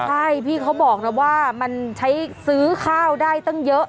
ใช่พี่เขาบอกนะว่ามันใช้ซื้อข้าวได้ตั้งเยอะ